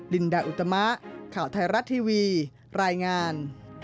ลินดาอุตมะข่าวไทยรัฐทีวีรายงาน